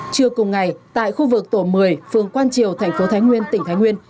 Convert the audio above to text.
trưa cùng ngày tại khu vực tổ một mươi phường quang triều thành phố thái nguyên tỉnh thái nguyên